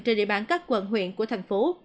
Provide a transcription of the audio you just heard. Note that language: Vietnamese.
trên địa bàn các quận huyện của thành phố